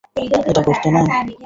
এটা গর্ত না?